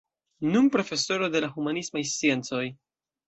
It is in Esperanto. Nun profesoro de la humanismaj sciencoj.